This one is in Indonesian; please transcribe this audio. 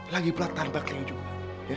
lagipula tanpa cleo juga